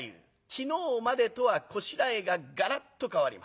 昨日までとはこしらえががらっと変わります。